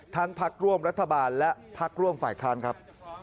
พักร่วมรัฐบาลและพักร่วมฝ่ายค้านครับ